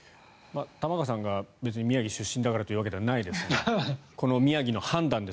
玉川さんが別に宮城出身だからというわけじゃないですがこの宮城の判断です。